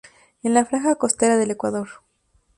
En la franja costera del Ecuador.